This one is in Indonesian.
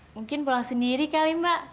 mungkin pulang sendiri kali mbak